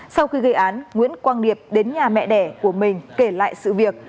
sau khi gây án nguyễn quang điệp đến nhà mẹ đẻ của mình kể lại sự việc